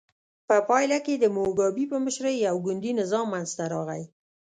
په پایله کې د موګابي په مشرۍ یو ګوندي نظام منځته راغی.